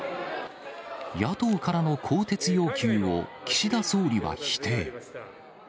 野党からの更迭要求を岸田総理は否定。